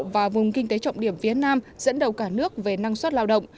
và vùng kinh tế trọng điểm phía nam dẫn đầu cả nước về năng suất lao động